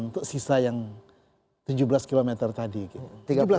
untuk sisa yang tujuh belas km tadi gitu